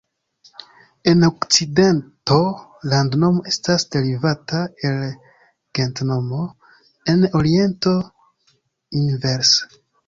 En okcidento landnomo estas derivata el gentnomo; en oriento inverse.